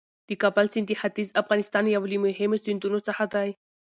د کابل سیند د ختیځ افغانستان یو له مهمو سیندونو څخه دی.